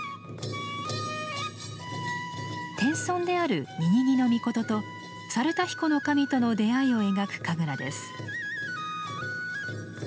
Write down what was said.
天孫である瓊瓊杵尊と猿田彦之神との出会いを描く神楽です。